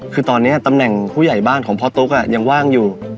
คือตอนนี้ตำแหน่งผู้ใหญ่บ้านของพ่อตุ๊กยังว่างอยู่